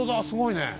すごいね！